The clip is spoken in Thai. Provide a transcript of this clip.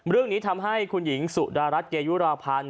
เรื่องนี้ทำให้คุณหญิงสุดารัฐเกยุราพันธ์